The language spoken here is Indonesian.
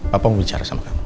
bapak mau bicara sama kamu